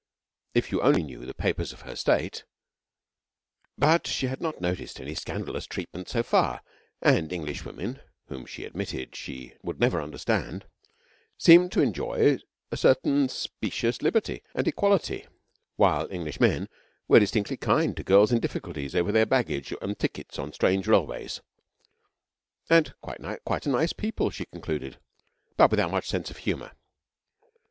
(If you only knew the papers of her State I) But she had not noticed any scandalous treatment so far, and Englishwomen, whom she admitted she would never understand, seemed to enjoy a certain specious liberty and equality; while Englishmen were distinctly kind to girls in difficulties over their baggage and tickets on strange railways. Quite a nice people, she concluded, but without much sense of humour.